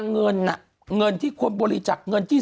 คุณหนุ่มกัญชัยได้เล่าใหญ่ใจความไปสักส่วนใหญ่แล้ว